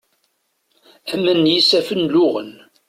Aman n yisaffen luɣen.